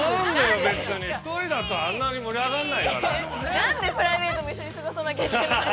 なんでプライベートも一緒に過ごさなきゃいけないの。